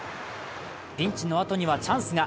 ピンチのあとにはチャンスが。